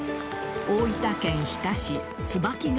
大分県日田市椿ヶ